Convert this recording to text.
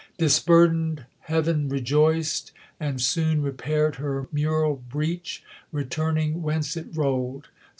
Disburden'd Heav'n rejoic'd, and soon repair'd Her mural breach, returning whence it roll'd.